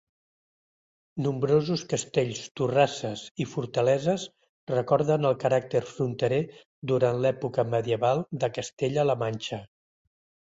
Nombrosos castells, torrasses i fortaleses recorden el caràcter fronterer durant l'època medieval de Castella-la Manxa.